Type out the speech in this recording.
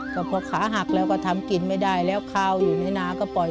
ก็พอขาหักแล้วก็ทำกินไม่ได้แล้วข้าวอยู่ในนาก็ปล่อย